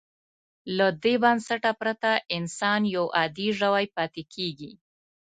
له دې بنسټه پرته انسان یو عادي ژوی پاتې کېږي.